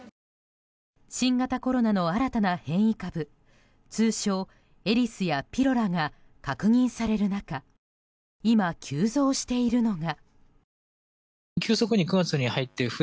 新型コロナの新たな変異株通称エリスやピロラが確認される中今、急増しているのが。